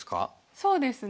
そうですね。